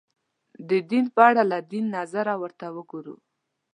د دین په اړه له دین نظره ورته وګورو